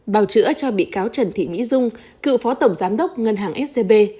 bào chữa cho bị cáo trần thị mỹ dung cựu phó tổng giám đốc ngân hàng scb